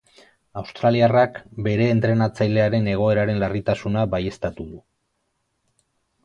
Australiarrak bere entrenatzailearen egoeraren larritasuna baieztatu du.